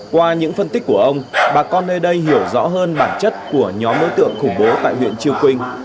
qua những phân tích của ông bà con nơi đây hiểu rõ hơn bản chất của nhóm đối tượng khủng bố tại huyện chư quynh